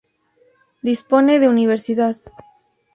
Dispone de universidad.